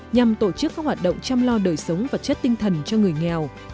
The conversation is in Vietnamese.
nhằm tổ chức các hoạt động chăm lo đời sống vật chất tinh thần cho người nghèo